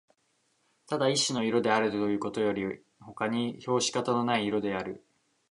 ただ一種の色であるというよりほかに評し方のない色である